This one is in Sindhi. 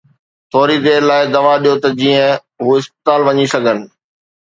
ٿوري دير لاءِ دوا ڏيو ته جيئن هو اسپتال وڃي سگهن.